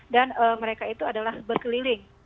dan mereka itu adalah berkeliling